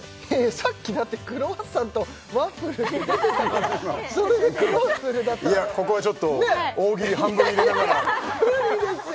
さっきだってクロワッサンとワッフルって出てたからそれでクロッフルだったからいやここはちょっと大喜利半分入れながらいやいやムリですよ